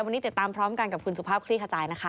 วันนี้ติดตามพร้อมกันกับคุณสุภาพคลี่ขจายนะคะ